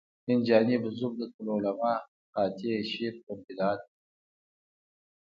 اینجانب زبدة العلما قاطع شرک و البدعت.